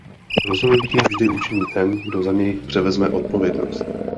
Rozhodnutí vždy učiní ten, kdo za něj převezme odpovědnost.